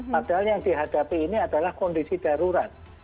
padahal yang dihadapi ini adalah kondisi darurat